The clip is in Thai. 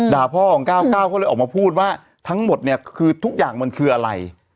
พ่อของ๙๙ก็เลยออกมาพูดว่าทั้งหมดเนี่ยคือทุกอย่างมันคืออะไร